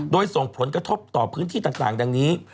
โดยส่งผลกระทบต่อพื้นที่ต่างดังนี้